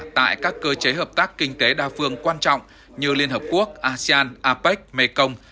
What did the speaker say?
tại các cơ chế hợp tác kinh tế đa phương quan trọng như liên hợp quốc asean apec mekong